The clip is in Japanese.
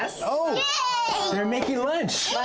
イエーイ！